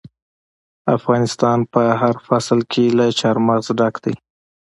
افغانستان په هر فصل کې له چار مغز ډک دی.